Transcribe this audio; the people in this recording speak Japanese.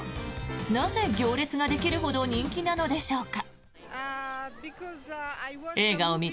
なぜ行列ができるほど人気なのでしょうか。